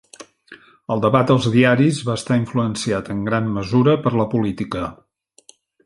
El debat als diaris va estar influenciat, en gran mesura, per la política.